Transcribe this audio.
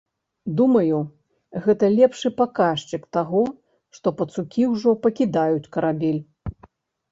Думаю, гэта лепшы паказчык таго, што пацукі ўжо пакідаюць карабель.